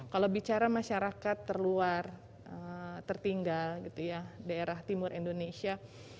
kalau bicara masyarakat terluar tertinggal daerah timur indonesia